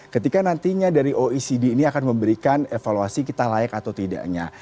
ketika nantinya dari oecd ini akan memberikan evaluasi kita layak atau tidaknya